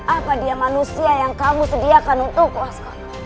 apa dia manusia yang kamu sediakan untukku waskol